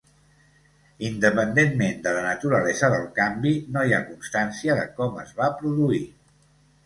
Independentment de la naturalesa del canvi, no hi ha constància de com es va produir.